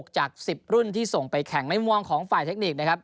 จาก๑๐รุ่นที่ส่งไปแข่งในมุมของฝ่ายเทคนิคนะครับ